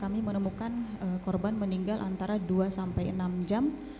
kami menemukan korban meninggal antara dua sampai enam jam